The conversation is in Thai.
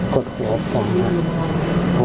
กดหัวผมครับ